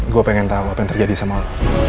gue pengen tahu apa yang terjadi sama lo